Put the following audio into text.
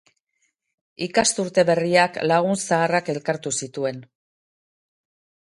Ikasturte berriak lagun zaharrak elkartu zituen.